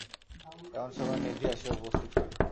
এমন সময়ে নিধি আসিয়া উপস্থিত হইল।